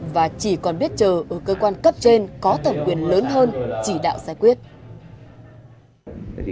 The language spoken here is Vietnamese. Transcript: và chỉ còn biết chờ ở cơ quan cấp trên có thẩm quyền lớn hơn chỉ đạo giải quyết